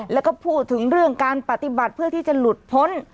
แล้วก็พูดถึงเรื่องการปฏิบัติเพื่อที่จะหลุดพ้น